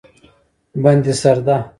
بندي سرده